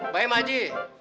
baik ma ji